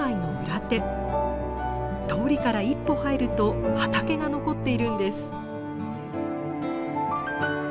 通りから一歩入ると畑が残っているんです。